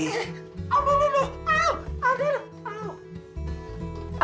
aduh aduh aduh